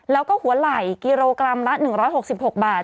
แล้วก็หัวไหล่กิโลกรัมละ๑๖๖บาท